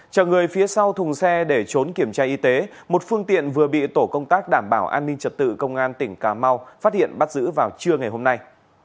chở người phía sau thùng xe để trốn kiểm tra y tế một phương tiện vừa bị tổ công tác đảm bảo an ninh trật tự công an tỉnh cà mau phát hiện bắt giữ vào trưa ngày hôm nay